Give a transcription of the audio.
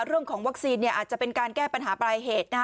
เรื่องของวัคซีนอาจจะเป็นการแก้ปัญหาปลายเหตุ